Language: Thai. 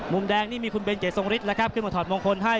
มุมแดงนี่มีคุณเบนเจทรงฤทธิแล้วครับขึ้นมาถอดมงคลให้